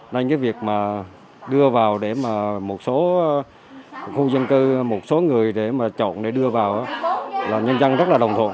nên cái việc mà đưa vào để mà một số khu dân cư một số người để mà chọn để đưa vào là nhân dân rất là đồng thuận